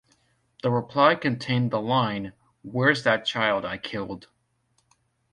The reply contained the line 'where's that child I killed?